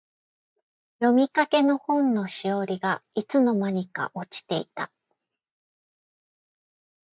読みかけの本のしおりが、いつの間にか落ちていた。